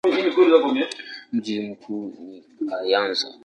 Mji mkuu ni Kayanza.